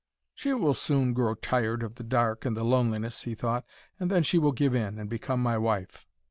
'She will soon grow tired of the dark and the loneliness,' he thought, 'and then she will give in, and become my wife.'